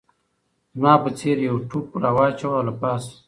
زما په څېر یو ټوپ راواچاوه له پاسه